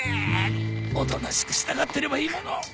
おとなしく従ってればいいものを。